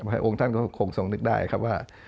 พระองค์ท่านก็คงทรงนึกได้ครับว่า